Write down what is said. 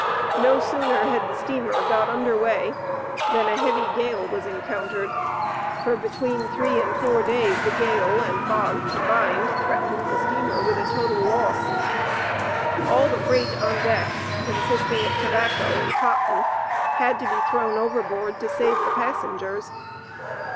No sooner had the steamer got under way, than a heavy gale was encountered; for between three and four days the gale and fog combined, threatened the steamer with a total loss. All the freight on deck, consisting of tobacco and cotton, had to be thrown overboard, to save the passengers.